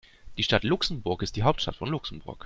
Die Stadt Luxemburg ist die Hauptstadt von Luxemburg.